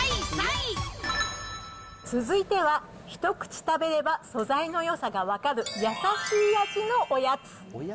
続いては、一口食べれば、素材の良さが分かる優しい味のおやつ。